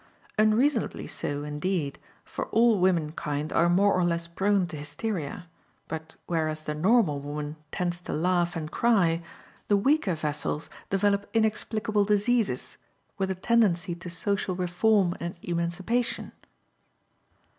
Unreasonably so, indeed, for all women kind are more or less prone to hysteria; but whereas the normal woman tends to laugh and cry, the weaker vessels develop inexplicable diseases, with a tendency to social reform and emancipation.